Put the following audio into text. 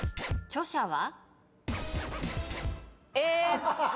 著者は？